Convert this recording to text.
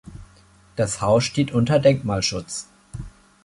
Das Haus steht unter Denkmalschutz.